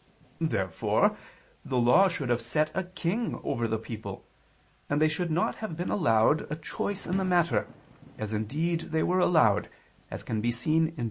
Therefore the Law should have set a king over the people, and they should not have been allowed a choice in the matter, as indeed they were allowed (Deut.